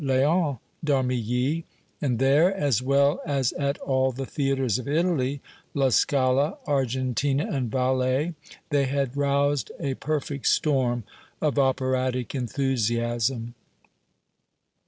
Léon d'Armilly, and there, as well as at all the theatres of Italy, La Scala, Argentina and Valle, they had roused a perfect storm of operatic enthusiasm.